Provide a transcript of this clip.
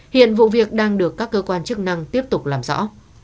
hiện vụ việc đang được các cơ quan chức năng tiếp tục làm rõ